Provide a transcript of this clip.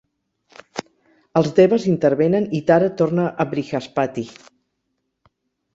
Els Devas intervenen i Tara torna a Brihaspati.